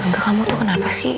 ke kamu tuh kenapa sih